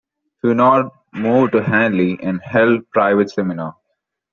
Hunold moved to Halle and held private seminars.